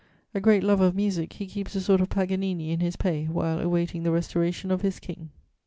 A great lover of music, he keeps a sort of Paganini in his pay while awaiting the restoration of his King.